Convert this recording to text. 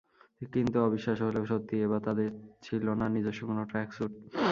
কিন্তু অবিশ্বাস্য হলেও সত্যি, এবার তাঁদের ছিল না নিজস্ব কোনো ট্র্যাকসুট।